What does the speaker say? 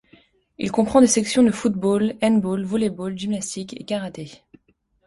Il comprend des sections de football, handball, volley-ball, gymnastique et karaté.